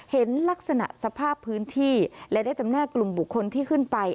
เห็นลักษณะสภาพพื้นที่และได้จำแนกกลุ่มบุคคลที่ขึ้นไป